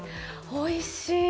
おいしい！